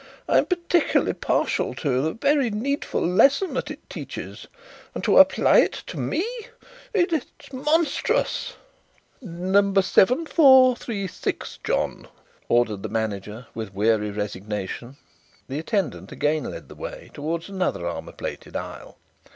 I'm particularly partial to the very needful lesson that it teaches. And to apply it to me! It's monstrous!" "No. 7436, John," ordered the manager, with weary resignation. The attendant again led the way towards another armour plated aisle.